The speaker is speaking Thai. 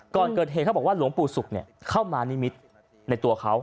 ก่อนเกิดเหตุเขาบอกว่าหลวงปู่ศุกร์เข้ามานิมิตรในตัวเขา